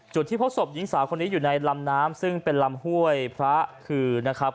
จุดที่พบศพหญิงสาวคนนี้อยู่ในลำน้ำซึ่งเป็นลำห้วยพระคือนะครับ